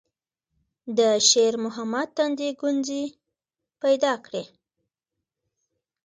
د شېرمحمد تندي ګونځې پيدا کړې.